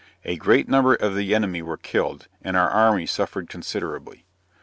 A great number of the enemy were killed, and our army suffered considerably.